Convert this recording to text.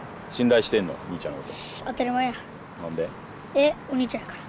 えっお兄ちゃんやから。